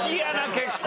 結構。